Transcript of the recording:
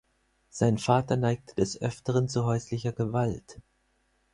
Sein Vater neigte des Öfteren zu häuslicher Gewalt.